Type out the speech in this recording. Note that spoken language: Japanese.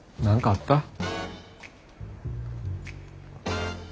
何かあった？